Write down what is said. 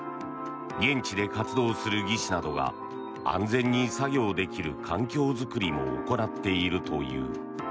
現地で活動する技師などが安全に作業できる環境作りも行っているという。